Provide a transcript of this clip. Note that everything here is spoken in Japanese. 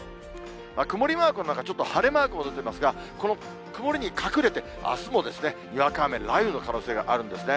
曇りマークの中、ちょっと晴れマークも出てますが、この曇りに隠れて、あすもにわか雨、雷雨の可能性があるんですね。